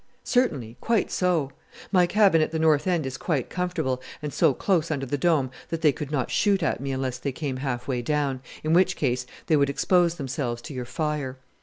"Certainly, quite so. My cabin at the North End is quite comfortable, and so close under the Dome that they could not shoot at me unless they came half way down, in which case they would expose themselves to your fire.